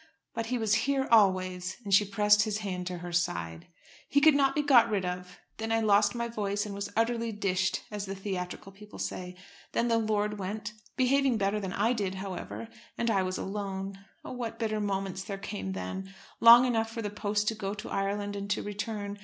But he was here always," and she pressed his hand to her side. "He could not be got rid of. Then I lost my voice, and was 'utterly dished,' as the theatrical people say. Then the lord went, behaving better than I did however, and I was alone. Oh, what bitter moments there came then, long enough for the post to go to Ireland and to return!